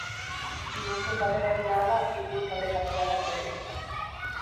Minutuek aurrera egin ahala aurkitu du talde katalanak bere lekua.